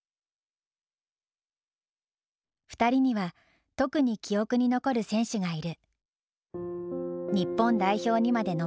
２人には特に記憶に残る選手がいる。